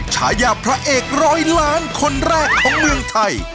ฉายาพระเอกร้อยล้านคนแรกของเมืองไทย